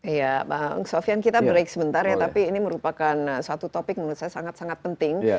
iya bang sofyan kita break sebentar ya tapi ini merupakan suatu topik menurut saya sangat sangat penting